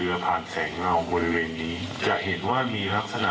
นั่งตำแหน่งท้ายเรือตรงเลข๖อันนี้นะครับ